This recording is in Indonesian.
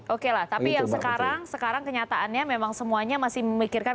oke lah tapi yang sekarang sekarang kenyataannya memang semuanya masih memikirkan